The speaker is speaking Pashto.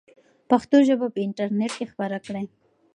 پښتو ژبه په انټرنیټ کې خپره کړئ.